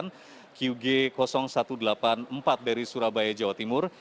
beberapa penerbangan yang mengalami penerbangan yang berakhir di jawa timur